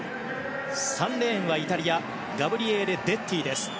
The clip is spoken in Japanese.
３レーンはイタリアガブリエーレ・デッティです。